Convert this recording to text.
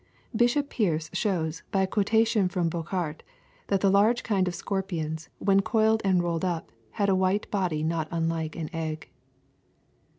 ] Bishop Pearce shows, by a quotation from Bochart, that the large kind of scorpions, when coiled and rolled up, had a white body not unlike an egg.